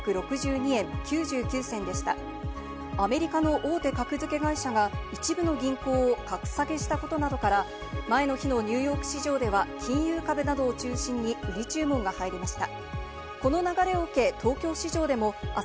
アメリカの大手格付け会社が一部の銀行を格下げしたことなどから、前の日のニューヨーク市場では金融株などを中心に売り注文が入りました。